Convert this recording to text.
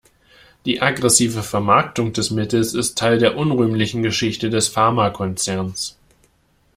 Die aggressive Vermarktung des Mittels ist Teil der unrühmlichen Geschichte des Pharmakonzerns.